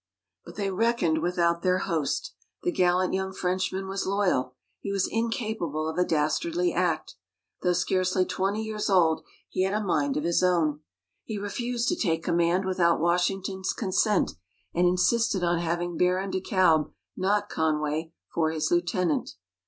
But they reckoned without their host. The gallant young Frenchman was loyal. He was incapable of a dastardly act. Though scarcely twenty years old, he had a mind of his own. He refused to take command without Washington's consent; and insisted on having Baron de Kalb, not Conway, for his lieutenant.